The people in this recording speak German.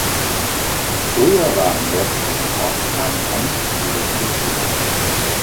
Früher war am westlichen Ortsrand eine Schmiede in Betrieb.